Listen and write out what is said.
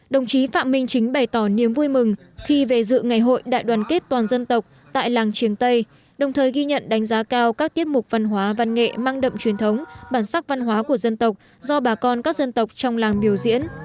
đồng chí phạm minh chính bày tỏ niềm vui mừng khi về dự ngày hội đại đoàn kết toàn dân tộc tại làng triềng tây đồng thời ghi nhận đánh giá cao các tiết mục văn hóa văn nghệ mang đậm truyền thống bản sắc văn hóa của dân tộc do bà con các dân tộc trong làng biểu diễn